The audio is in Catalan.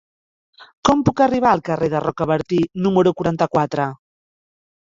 Com puc arribar al carrer de Rocabertí número quaranta-quatre?